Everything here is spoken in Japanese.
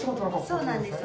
そうなんです。